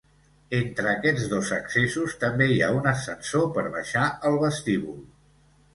Entre aquests dos accessos també hi ha un ascensor per baixar al vestíbul.